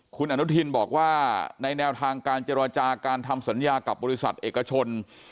คุณอนุทินบอกว่าในแนวทางการเจรจาการทำสัญญากับบริษัทเอกชน